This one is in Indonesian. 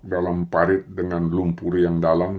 dalam parit dengan lumpur yang dalam